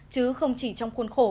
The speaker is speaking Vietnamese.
chứ không chỉ trong khuôn khổ